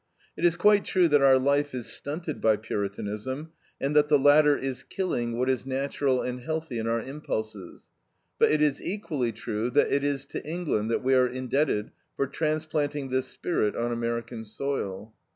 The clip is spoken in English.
It is quite true that our life is stunted by Puritanism, and that the latter is killing what is natural and healthy in our impulses. But it is equally true that it is to England that we are indebted for transplanting this spirit on American soil.